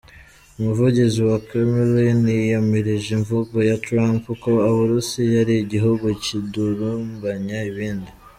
Umuvugizi wa Kremlin yiyamirije imvugo ya Trump, ko Uburusiya ari igihugu kidurumbanya ibindi.